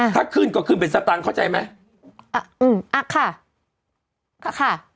ถ้าขึ้นก็ขึ้นเป็นสตางค์เข้าใจไหมอ่ะอืมอ่ะค่ะค่ะ